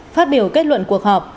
phát biểu kết luận cuộc họp